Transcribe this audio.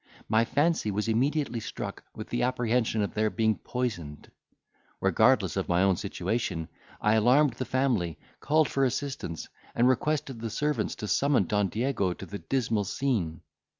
My fancy was immediately struck with the apprehension of their being poisoned. Regardless of my own situation, I alarmed the family, called for assistance, and requested the servants to summon Don Diego to the dismal scene.